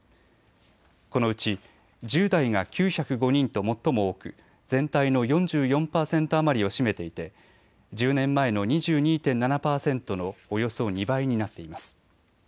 このうち１０代が９０５人と最も多く全体の４４％余りを占めていて１０年前の２２．７％のおよそ２倍になっています。